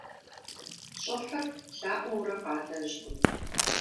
ЩӀыхьыр лъаӀуэурэ къалэжькъым.